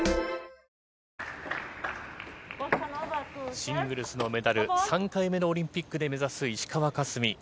シングルスのメダル３回目のオリンピックで目指す石川佳純。